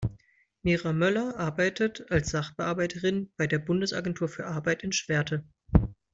Mira Möller arbeitet als Sachbearbeiterin bei der Bundesagentur für Arbeit in Schwerte.